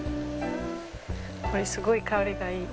これすごい香りがいい。